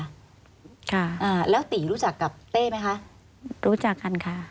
อ่าแล้วตีรู้จักกับเต้ไหมคะรู้จักกันค่ะ